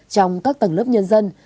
trong các tầng lớp nhân dân